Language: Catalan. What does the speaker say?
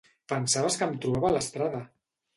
Pensaves que em trobada a l'estrada!